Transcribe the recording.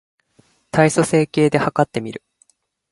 体組成計で計ってみる